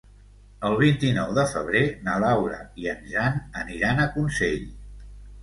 El vint-i-nou de febrer na Laura i en Jan aniran a Consell.